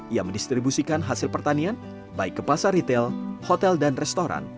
ia mendistribusikan hasil pertanian baik ke pasar retail hotel dan restoran